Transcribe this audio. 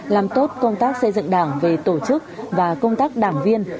làm tốt công tác xây dựng đảng về tổ chức và công tác đảng viên